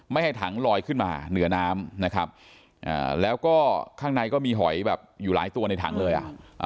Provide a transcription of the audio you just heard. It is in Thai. ให้ถังลอยขึ้นมาเหนือน้ำนะครับแล้วก็ข้างในก็มีหอยแบบอยู่หลายตัวในถังเลยอ่ะ